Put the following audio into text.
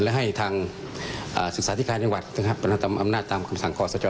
และให้ทางศึกษาธิการจังหวัดอำนาจตามคณะสั่งข้อสัตว์๑๙